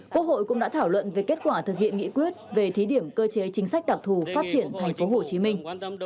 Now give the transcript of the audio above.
quốc hội cũng đã thảo luận về kết quả thực hiện nghị quyết về thí điểm cơ chế chính sách đặc thù phát triển thành phố hồ chí minh